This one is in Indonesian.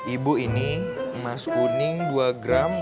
ibu ini emas kuning dua gram